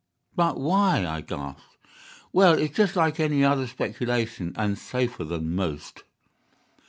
"'But why?' I gasped. "'Well, it's just like any other speculation, and safer than most.